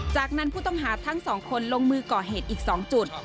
จากนั้นผู้ต้องหาทั้งสองคนลงมือก่อเหตุอีก๒จุด